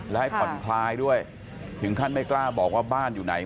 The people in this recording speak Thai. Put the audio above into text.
และให้ผ่อนคลายด้วยถึงขั้นไม่กล้าบอกว่าบ้านอยู่ไหน